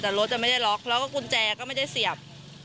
แต่รถจะไม่ได้ล็อกแล้วก็กุญแจก็ไม่ได้เสียบ